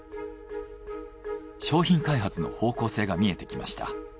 商品開発の方向性が見えてきました。